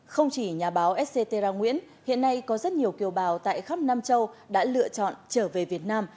không chỉ nhà báo sc terra nguyễn hiện nay có rất nhiều kiều bào tại khắp nam châu đã lựa chọn trở về việt nam